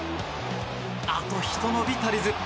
あとひと伸び足りず。